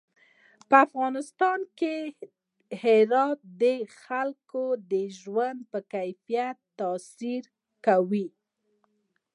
په افغانستان کې هرات د خلکو د ژوند په کیفیت تاثیر کوي.